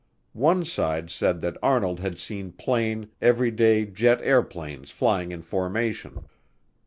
One side said that Arnold had seen plain, everyday jet airplanes flying in formation.